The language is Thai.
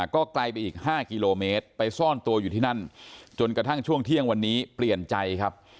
ก็ไกลไปอีก๕กิโลเมตรไปซ่อนตัวอยู่ที่นั่นจนกระทั่งช่วงเที่ยงวันนี้เปลี่ยนใจครับ